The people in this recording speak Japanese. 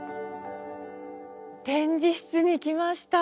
展示室に来ました。